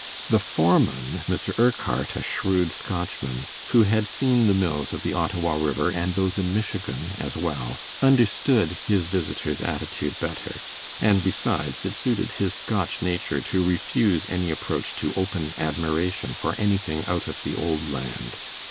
The foreman, Mr. Urquhart, a shrewd Scotchman, who had seen the mills of the Ottawa River and those in Michigan as well, understood his visitor's attitude better; and besides, it suited his Scotch nature to refuse any approach to open admiration for anything out of the old land.